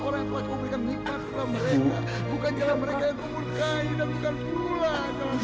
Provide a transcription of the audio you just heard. mereka hibat dalam mereka bukan dalam mereka yang memurkai dan bukan perulahan